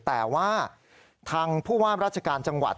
แต่ว่าทางผู้ว่าราชการจังหวัด